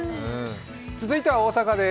続いては大阪です。